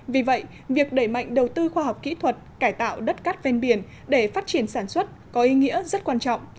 vì vậy việc đẩy mạnh đầu tư khoa học kỹ thuật cải tạo đất cát ven biển để phát triển sản xuất có ý nghĩa rất quan trọng